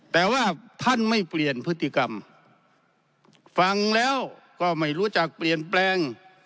แต่ว่าท่านไม่เปลี่ยนพฤติกรรมฟังแล้วก็ไม่รู้จักเปลี่ยนแปลง